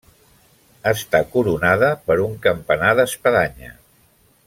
Està coronada per un campanar d'espadanya.